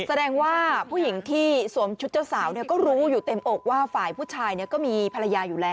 แสดงว่าผู้หญิงที่สวมชุดเจ้าสาวก็รู้อยู่เต็มอกว่าฝ่ายผู้ชายก็มีภรรยาอยู่แล้ว